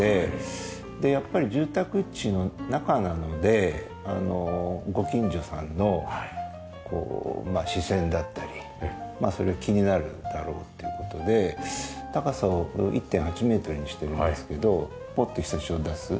やっぱり住宅地の中なのでご近所さんの視線だったりそれが気になるだろうという事で高さを１．８メートルにしてるんですけどポッとひさしを出す。